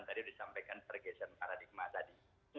tadi disampaikan pergeseran paradigma tadi